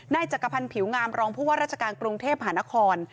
จักรพันธ์ผิวงามรองผู้ว่าราชการกรุงเทพหานคร